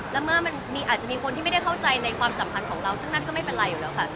แล้วเมื่อมันอาจจะมีคนที่ไม่ได้เข้าใจในความสัมพันธ์ของเราซึ่งนั่นก็ไม่เป็นไรอยู่แล้วค่ะ